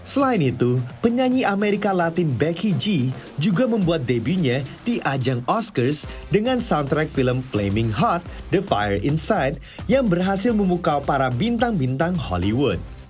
selain itu penyanyi amerika latin beckhiji juga membuat debbie nya di ajang oscars dengan soundtrack film flamming hot the fire insight yang berhasil memukau para bintang bintang hollywood